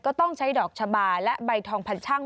ก็ต้องใช้ดอกชะบาและใบทองพันช่าง